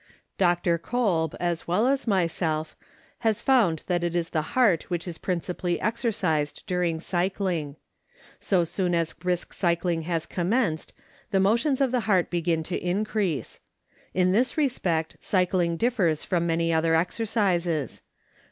Dr. Kolb, as well as myself, has found that it is the heart which is principally exercised during cycling. So soon as brisk cycling has commenced the motions of the heart begin to increase. In this respect cycling differs from many other exercises.